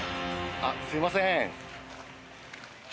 あっすいません。